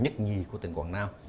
nhất nhì của tỉnh quảng nam